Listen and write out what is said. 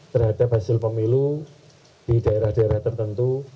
terhadap hasil pemilu di daerah daerah tertentu